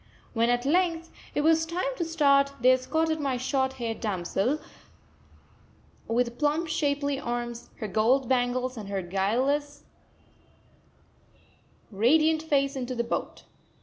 When, at length, it was time to start, they escorted my short haired damsel, with plump shapely arms, her gold bangles and her guileless, radiant face, into the boat.